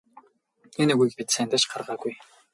Энэ үгийг бид сайндаа ч гаргаагүй.